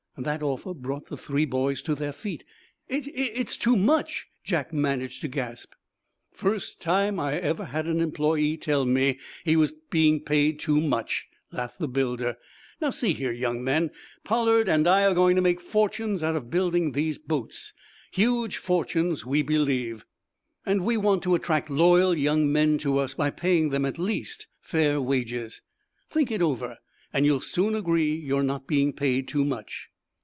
That offer brought the three boys to their feet. "It's it's too much!" Jack managed to gasp. "First time I ever had an employe tell me he was being paid too much," laughed the builder. "Now, see here, young men, Pollard and I are going to make fortunes out of building these boats huge fortunes, we believe and we want to attract loyal young men to us by paying them at least fair wages. Think it over, and you'll soon agree you're not being paid too much."